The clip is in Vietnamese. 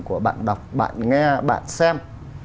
của bạn đọc bạn nghe bạn xem